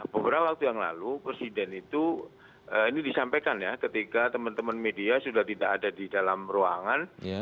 beberapa waktu yang lalu presiden itu ini disampaikan ya ketika teman teman media sudah tidak ada di dalam ruangan